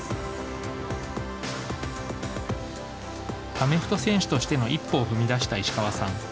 アメフト選手としての一歩を踏み出した石川さん。